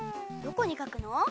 どこに書くの？